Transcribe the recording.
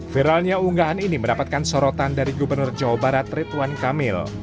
viralnya unggahan ini mendapatkan sorotan dari gubernur jawa barat rituan kamil